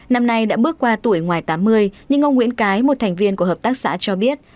năm nay đã bước qua tuổi ngoài tám mươi nhưng ông nguyễn cái một thành viên của hợp tác xã cho biết